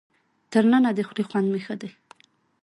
تر ننه د خولې خوند مې ښه دی.